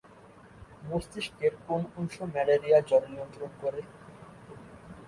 মস্তিষ্কের কোন অংশ ম্যালেরিয়া জ্বর নিয়ন্ত্রণ করে।